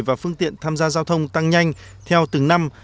và phương tiện tham gia giao thông tăng nhanh theo từng năm